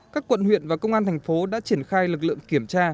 các quận huyện và công an thành phố đã triển khai lực lượng kiểm tra